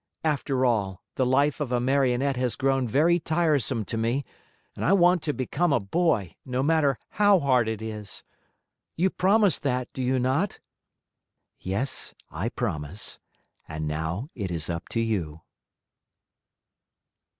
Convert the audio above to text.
After all, the life of a Marionette has grown very tiresome to me and I want to become a boy, no matter how hard it is. You promise that, do you not?" "Yes, I promise, and now it is up to you."